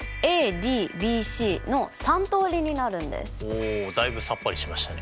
ほうだいぶさっぱりしましたね。